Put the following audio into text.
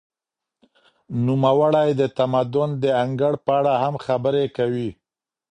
نوموړی د تمدن د انګړ په اړه هم خبري کوي.